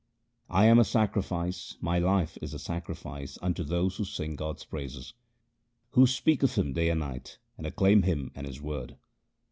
I am a sacrifice, my life is a sacrifice unto those who sing God's praises, Who speak of Him day and night, and acclaim Him and His word.